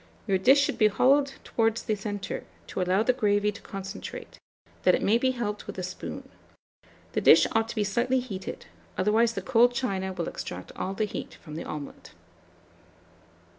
Your dish should be hollowed towards the centre, to allow the gravy to concentrate, that it may be helped with a spoon. The dish ought to be slightly heated, otherwise the cold china will extract all the heat from the omelet.